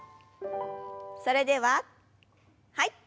それでははい。